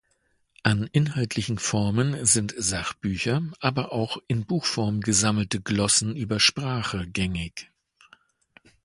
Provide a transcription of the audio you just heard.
An inhaltlichen Formen sind Sachbücher, aber auch in Buchform gesammelte Glossen über Sprache gängig.